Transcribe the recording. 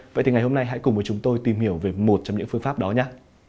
vậy thì ngày hôm nay hãy cùng với chúng tôi tìm hiểu về một trong những phương pháp đó nhé